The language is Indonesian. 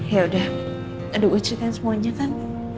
ya udah udah gue ceritain semuanya kan